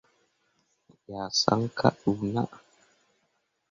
Me yah saŋ kah ɗuu naa.